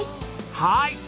はい。